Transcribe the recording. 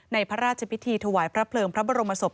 พระราชพิธีถวายพระเพลิงพระบรมศพ